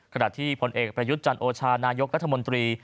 ขณะที่ผลเอกประยุทธ์จันโอชานายกรัฐมนตรี